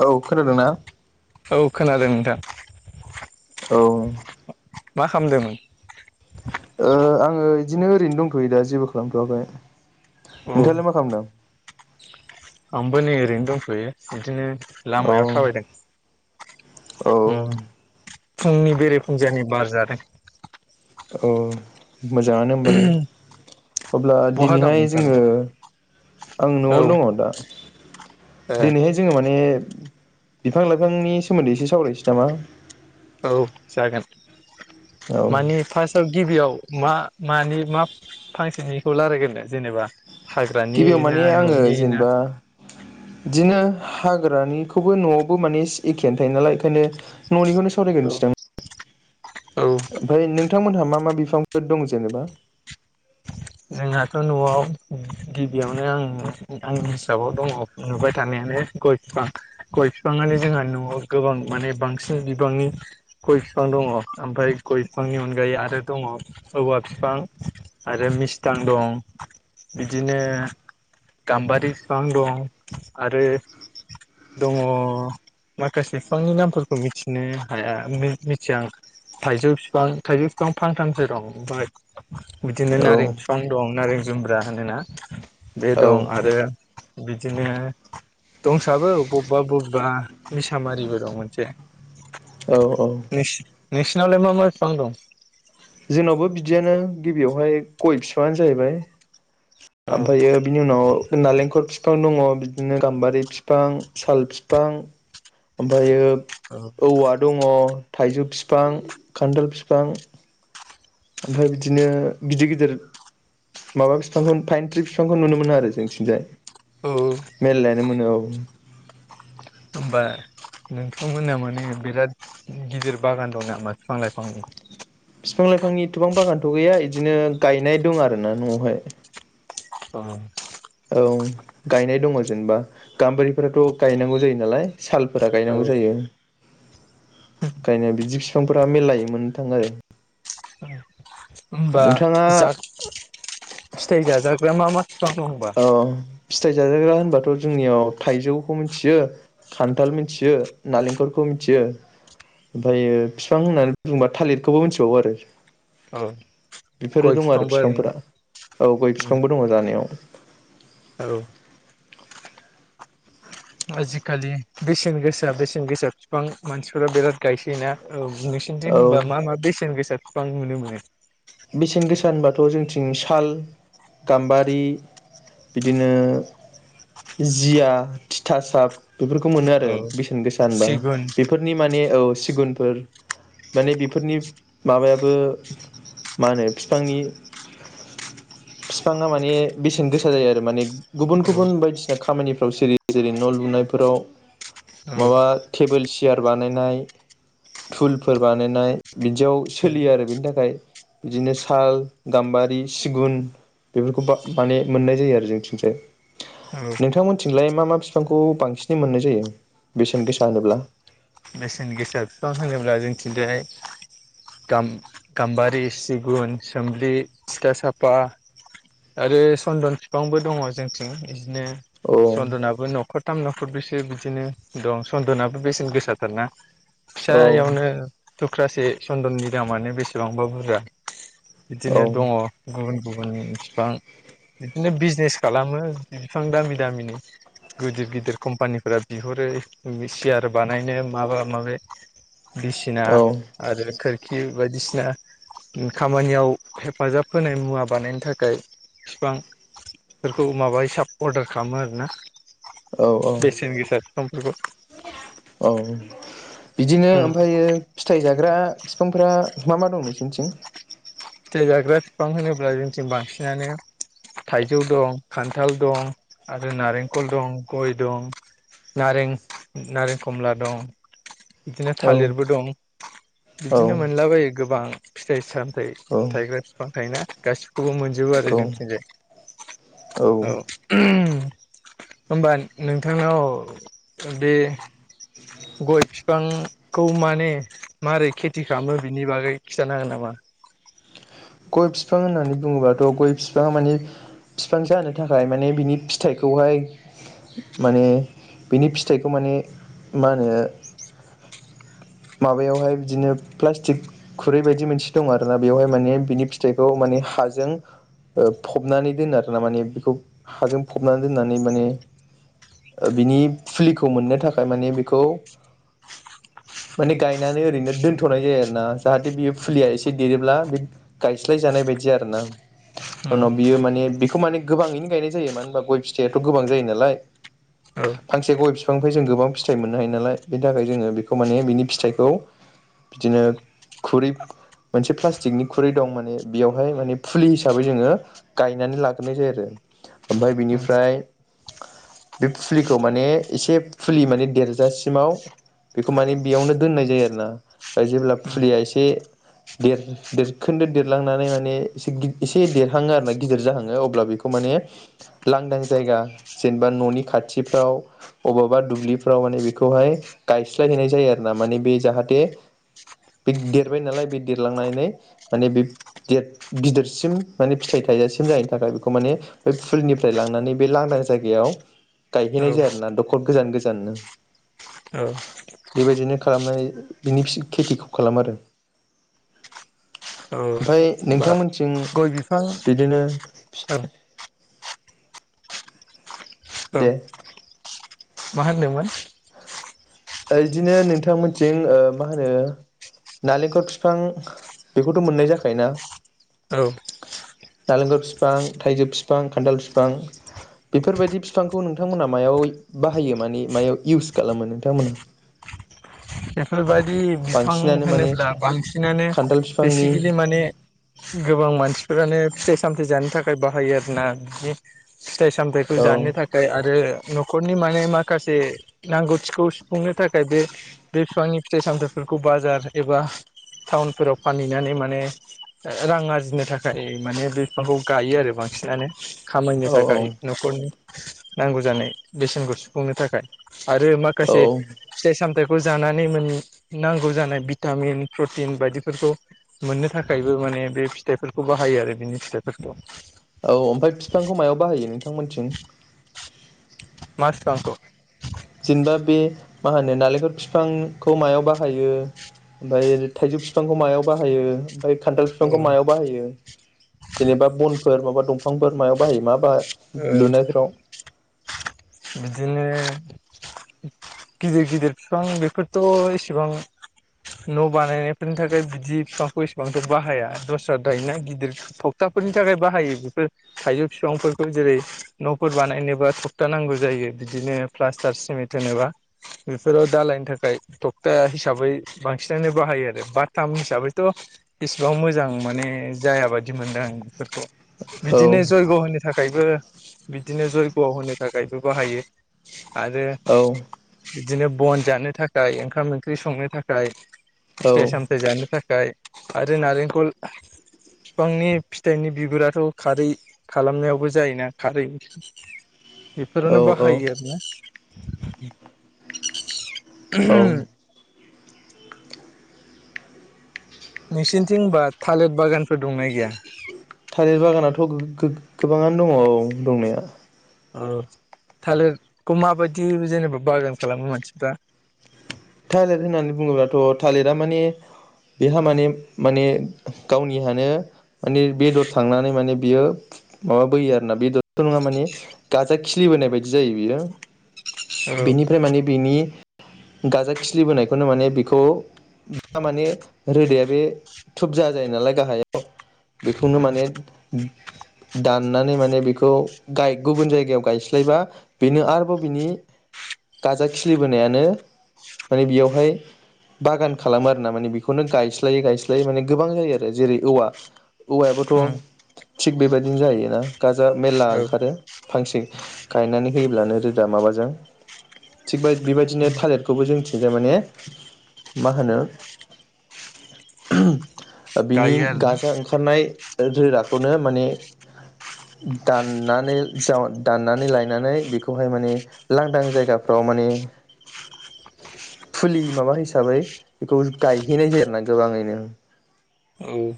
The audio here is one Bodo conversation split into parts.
औ खोनादोंना औ खोनादों। [unintelligible] औ। मा खालामदों? ओ आङो बिदिनो ओरैनो दंथ'यो दा जेबो खालामथ'वाखै। औ नोंथाङालाय मा खालामदों? आंबो नै ओरैनो दंथ'यो बिदिनो। औ लामायाव औ थाबायदों अम। फुंनि बेरे फुंजानि बार जादों। औ। मोजाङानो होमबालाय अब्ला बहा दं दिनैहाय जोङो नोंथाङालाय आं न'आव औ ओ दङ दा। दिनैहाय जोङो माने बिफां -लाइफांनि सोमोन्दै एसे सावरायनोसै नामा? औ जागोन । औ मानि फारसआव गिबियाव मा- मानि- मा फांसेनिखौ रायलायगोननो जेनेबा। हाग्रानि गिबियाव ना माने आङो न'नि ना जेनेबा बिदिनो हाग्रानिखौबो न'आवबो माने एखेयानो थायो नालाय खायनो न'निखौनो सावरायगोर औ नोसै दां। औ ओमफाय नों नोंथांमोनहा मा -मा बिफांफोर दं जेनेबा जोंहाथ' न'आव गिबियावनो आं -आंनि हिसाबाव दङ नुबाय थानायानो गय बिफां- गय बिफाङानो जोंहा न'आव गोबां माने बांसिन बिबांनि गय बिफां दङ ओमफ्राय गय बिफांनि अनगायै आरो दङ औवा बिफां आरो मिस थां दं बिदिनो गाम्बारि बिफां दं आरो दङ माखासे बिफांनि नामफोरखौ मिथिनो हाया मिथिया आं थाइजौ बिफां थाइजौ बिफां फांथामसो दं ओमफ्राय बिदिनो नारें औ बिफां दं नारें जुमब्रा होनोना बे औ दं आरो बिदिनो दंसाबो बबेबा- बबेबा मिसामारिबो दं मोनसे औ औ न नोंसिनावलाय मा- मा बिफां दं? जोंनावबो बिदियानो गिबियावहाय गय बिफायानो जाहैबाय। औ ओमफ्रायो बिनि उनाव नालेंखल बिफां दङ। बिदिनो गाम्बारि फिफां, साल फिफां ओमफ्रायो औवा दङ थाइजौ फिफां, खान्दोल फिफां ओमफ्राय बिदिनो गिदिर- गिदिर माबा बिफांखौ फाइन थ्रि बिफांखौ नुनो मोनो आरो जोंथिंजाय मेल्लायानो मोनो औ। [inaudible] होमबा नोंथांमोना माने बिराद गिदिर बागान दं नामा बिफां लाइफां बिफां लाइफांनिथफां बागानथ' गैया बिदिनो गायनाय दं आरोोना न'आवहाय। औ। औ गायनाय दङ जेनेबा गाम्बारिफोराथ' गायनांगौ जायो नालाय। सालफोरा गायनांगौ जायो [unintelligible] फिफांफोरा मिलायोमोन नोंथां आरो [inaudible] होमबा नोंथाङा जाग फिथाइ जाजा ग्रा मा मा बिफां दं होनबा? अ फि थाइ जाजाग्रा होनबाथ' जोंनियाव थाइजौखौ मिथियो खान्थाल मिथियो नालेंखरखौ मिथियो ओमफ्रायो बिफां होननानै बुङोबा थालिरखौबो मिथिबावो आरो बेफोरो गय दङ आरो बिफांबो आरोना फिफांफोरा औ गय फिफांबो दङ जोंहानियाव औ आजिखालि बेसेन गोसा बेसेन गोसा फिफां मानसिफोरा बिराद गायसोयोना औ नोंसोरनिथिं औ होनबा मा मा बेसेन गोसा फिफां नुनो मोनो बेसेन गोसा होनबाथ' जोंनिथिं साल गाम्बारि बिदिनो जिया थिथासाब बेफोरखौ मोनो आरो औ बेसेन गोसा होनबा सिगुन बेफोरनि माने औ सिगुनफोर माने बेफोरनि माबायाबो मा होनो बिफांनि बिफाङा माने बेसेन गोसा जायो आरो माने गुबुन औ गुबुन बायदिसिना खामानिफ्राव जेरै न' लुनायफोराव औ माबा टेबोल सियार बानायनाय थुलफोर बानायनाय बिदियाव औ सोलियो आरो बिनि थाखाय बिदिनो साल गाम्बारि सिगुन बेफोरखौ माने मोननाय जायो आरो जोंनिथिंजाय औ नोंथांमोनथिंलाय मा मा बिफांखौ बांसिनै मोननाय जायो बेसेन गोसा होनोब्ला बेसेन गोसा बिफां होनोब्ला जोंनिथिंजाय गाम्बारि सिगुन सोमब्लि तिथा साफा आरो सन्दन बिफांबो दङ जोंथिं बिदिनो औ चन्दनाबो न'खर थाम न'खर ब्रैसो बिदिनो दं सन्दनाबो बेसेन गोसा थारना औ फिसायावनो थुख्रासे सन्दननि दामानो बेसेबांबा बुरजा बिदिनो दङ गुबुन गुबुन बिफां बिदिनो बिजनेस खालामो बिफां दामि दामिनि गिदिर-गिदिर कम्पानिफोरा बिहरो सियार बानायनो माबा माबि बिसिना औ आरो खोर खि बायदिसिना खामानियाव हेफाजाब होनाय मुवा बानायनो थाखाय बिफांफोरखौ माबा हिसाब अर्डार खालामो आरोना औ बेसेनगोसा बिफांफोरखौ औ बिदिनो ओमफ्राय फिथाइ जाग्रा बिफांफोरा मा मा दं नोंसोरनिथिं फिथाइ जाग्रा बिफां होनोब्ला जोंथिं बांसिनानो थाइजौ दं खान्थाल दं आरो नारेंखल दं गय दं नारें नारें खमला दं। बिदिनो औ थालिरबो दं औ बिदिनो मोनलाबायो गोबां, फिथाइ सामथाइ औ थाइग्रा फिफां थाइना गासिब खौबो मोनजोबो आरो औ जोंथिंजाय औ ओम होमबा नोंथांनाव बे, गय बिफां खौ माने मारै खेथि खालामो बिनि बागै खिथानो हागोन नामा? गय बिफां होननानै बुङोबाथ' गय बिफाङा माने बिफां जानो थाखाय माने बिनि फिथाइखौहाय माने बिनि फिथाइखौ माने मा होनो माबायावहाय बिदिनो प्लास्टिक खुरै बायदि मोनसे दं आरोना बेवहाय माने, बिनि फिथाइखौ माने हाजों फबनानै दोनो आर ना माने बेखौ हाजों फबनानै दोननानै माने बिनि फुलिखौ मोननो थाखाय माने बेखौ माने गायनानै ओरैनो दोन्थ'नाय जायो आरो ना जाहाथे बियो फुलिया एसे देरोब्ला बे गायस्लायजानाय बायदि आर ना? औ उनाव बियो माने बिख खौ माने गोबाङैनो गायनाय जायो मानो होनबा गय फिथाइ आथ' गोबां जायो नालाय औ फांसे गय फिफांनिफ्राय जों गोबां फिथाइ मोननो हायो नालाय बिनिथाखाय जोङो बेखौ माने बानि फिथाइखौ बिदिनो खुरै मोनसे प्लासटिकनि खु खुरै दं माने बेयावहाय माने फुलि हिसाबै जोङो गायनानै लाग्रोनाय जायो आरो ओमफ्राय बिनिफ्राय बे फुलिखौ माने एसे फुलि माने देरजासिमाव बेखौ माने बेयावनो दोननाय जायो आरोना जेब्ला फुलिया एसे देर खोन्दो देरलांनानै माने एसे देर हाङो आरो ना गिदिर जाहाङो अब्ला बेखौ माने लांदां जायगा जेनेबा न'नि खाथिफ्राव अबबा दुब्लिफ्राव माने बेखौहाय गायस्लायहैनाय जायो आरो ना माने बे जाहाथे बे देरबाय नालाय बे देरलांनानै, माने बे गेद गिदिरसिम माने फिथाइ थाइजासिम जायैनि थाखाय बेखौ माने बे फुलनिफ्राय लांनानै बे लांदां जायगायाव गायहैनाय जाया औ आरो ना द'खर गोजान गोजाननो, औ बेबायदिनो खालामनानै बिनि खेथिखौ खालामो आरो औ ओमफ्राय बा नोंथांमोन थि जों गय बिफां बिदिनो औ फि औ दे मा होनदोंमोन ओ इदिनो नोंथांमोनथिं ओ मा होनो नालेंखर फिफां बेखौथ' मोननाय जाखाय ना औ नालेंखर फिफां थाइजौ फिफां खान्थाल फिफां बेफोरबायदि फिफांखौ नोंथांमोनहा मायाव बाहायो माने मायाव इउस खालामो नोंथांमोनहा, एफोरबाय बिदि बिफां बांसिनानो माने होनोब्ला बांसिनानो खान्थाल बिफांनि बेसिकेलि माने गोबां मानसिफोरानो फिथाइ सामथाय जानो थाखाय बाहायो आरो ना बिदि, फिथाइ सामथायाइखौ औ जानो थाखाय आरो न'खरनि माने माखासे नांगौथिखौ सुफुंनो थाखाय बे, बे बिफांनि फिथाइ सामथाइफोरखौ बाजार एबा टाउनफोराव फानहैनानै माने रां आरजिनो थाखाय माने बे बिफांखौ गायो आरो बांसिनानो, खामायनो औ थाखाय न'खरनि, नांगौ जानाय बेसेनखौ सुफुंनो थाखाय, आरो औ माखासे फिथाइ साम बो जानानै मोन नांगौ जानाय भिटामिन प्रटिन बायदिफोरखौ मोननो थाखायबो माने बे फिथाइफोरखौ बाहायो आरो बिनि फिथाइफोरखौ, औ ओमफ्राय बिफांखौ मायाव बाहायो नों नोंथांमोनथिं मा फिफांखौ जेनेबा बे मा होनो नालेंखल बिफांखौ मायाव बाहायो ओमफ्राय थाइजौ फिफांखौ मायाव बाहायो, ओमफ्राय खान्थाल बिफांखौ ओ मायाव बाहायो जेनेबा बनफोर माबा, दंफांफोर मायाव बाहायो मा बाहाय ओ लुनायफ्राव बिदिनो गिदिर गिदिर बिफां बेफोरथ' एसेबां न' बानायनायफोरनि थाखाय बिदि बिफांखौ इसेबांथ' बाहाया दस्रा थायोना गिदिर थखथाफोरनि थाखाय बाहायो बेफोर थाइजौ बिफांफोरखौ जेरै न'फोर बानायनोबा थखथा नांगौ जायो बिदिनो प्लास्टार सिमेन्ट होनोबा बेफोराव दालायनो थाखाय थखथा हिसाबै बांसिनानो बाहायो आरो बााथाम हिसाबैथ' इसिबां मोजां माने जायाबादि मोनदों आं बेफोरखौ औ बिदिनो जयग' होनो थाखाय खायबो बिदिनो जयगआव होनो थाखायबो। बाहायो आरोे औ बिदिनो बन जानो थाखाय ओंखाम ओंख्रि संनो थाखाय। फिथाइ सामथाइ जानो थाखाय आरो नारेंखल फिफांनि फिथाइनि बिगुराथ खारै खालामनायावबो जायोना खारै औ बेफोरनो बाहायो आरो ना। औ [unintelligible] [unintelligible] नोंसिनिथिं बा थालिर बागान थालिर बागानाथ गो गोबाङानो दङ औ दंनाया। औ थालिरखौ माबायदि जेनेबा बागान खालामो मानसिफ्रा थालिर होननानै बुङोब्लाथ थालिरा माने बेहा माने माने गावनिहानो माने बेदर थांनानै माने बियो माबा बोयो आरोना बेदरथ नङा माने गाजा खिलिबोनाय बायदि जायो बियो। औ उम बेनिफ्राय माने बिनि गाजा खिलिबोनायखौनो माने बेखौ दा माने रोदाया बे थुबजा जायो नालाय गाहायाव बेखौनो माने दाननानै माने बेखौ गाय गुबुन जायगायाव गायस्लायबा बेनो आरोबाव बिनि गाजा खिलिबोनायानो माने बेयावहाय बागान खालामो आर ना माने बेखौनो गायस्लायै गायस्लायै माने गोबां जायो आरो जेरै औवा औवायाबोथ उम थिग बेबायदिनो जायोना गाजा मेरला औ ओंखारो फांसे गायनानै होयोब्लानो रोदा माबाजों थिग बेबायदिनो उम थालेर जोंथिंजाय माने मा होनो बिनि गायो आरोना गाजा ओंखारनाय रोदाखौनो माने दाननानै जा दाननानै लायनानै बेखौहाय माने लांदां जायगाफ्राव माने फुलि माबा हिसाबै बेखौ गायहैनाय जायो आरो ना गोबाङैनो औ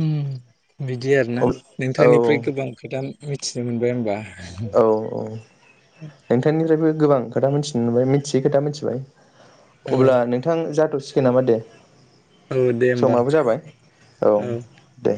उम बिदि आरो ना नोंथांनिफ्राय औ गोबां खोथा मिथिनो मोनबाय होमबा औ औ नोंथांनिफ्रायबो गोबां खोथा मिनथिनो मोनबाय मिथियै खोथा मिथिबाय। औ अब्ला नोंथां जाथ सिखो नामा दे। औ दे होमबा समाबो जाबाय औ दे।